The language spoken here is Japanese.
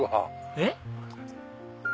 えっ？